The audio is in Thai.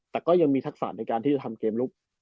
แต่ก็ยังมีทักษะในการที่จะทำเกมลุก